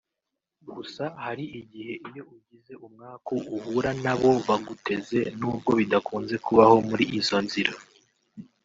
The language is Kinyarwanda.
Gusa hari igihe iyo ugize umwaku uhura na bo baguteze nubwo bidakunze kubaho muri izo nzira